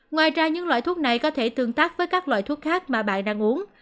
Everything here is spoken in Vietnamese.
ngoài ra những loại thuốc này có thể tương tác với các loại thuốc khác mà bạn đang uống